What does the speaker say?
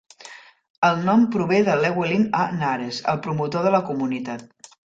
El nom prové de Llewellyn A. Nares, el promotor de la comunitat.